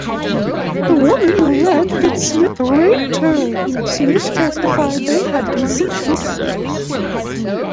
The woman alleged that Smith raped her; Smith testified that they had consensual sex.